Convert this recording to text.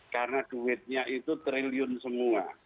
karena duitnya itu triliun semua